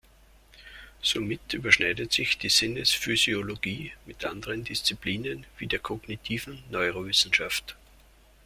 Somit überschneidet sich die Sinnesphysiologie mit anderen Disziplinen, wie der kognitiven Neurowissenschaft.